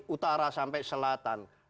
utara sampai selatan